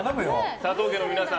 佐藤家の皆さん